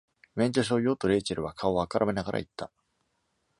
「免許証よ！」とレイチェルは顔を赤らめながら言った。